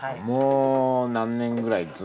もう何年くらい？